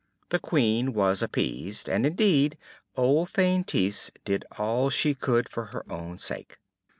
The Queen was appeased; and, indeed, old Feintise did all she could for her own sake.